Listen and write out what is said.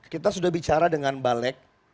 kita sudah bicara dengan balek